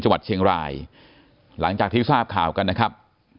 จังหวัดเชียงรายหลังจากที่ทราบข่าวกันนะครับ